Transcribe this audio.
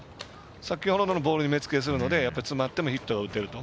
先ほどのボールに目付けをするので詰まってもヒットを打てる。